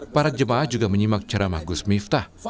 para jemaah juga menyimak cara mahgus miftah